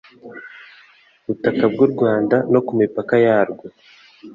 butaka bw u rwanda no ku mipaka yarwo